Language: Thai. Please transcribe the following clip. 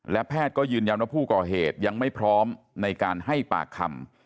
และแพทย์ก็ยืนยันว่าผู้ก่อเหตุยังไม่พร้อมในการให้ปากคำ